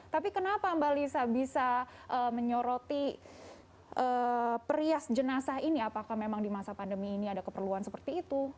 tapi kenapa mbak lisa bisa menyoroti perias jenazah ini apakah memang di masa pandemi ini ada keperluan seperti itu